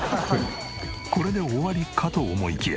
これで終わりかと思いきや。